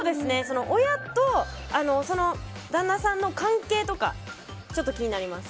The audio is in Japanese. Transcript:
親と旦那さんの関係とかちょっと気になります。